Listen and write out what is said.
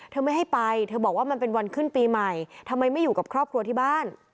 ไม่ให้ไปเธอบอกว่ามันเป็นวันขึ้นปีใหม่ทำไมไม่อยู่กับครอบครัวที่บ้าน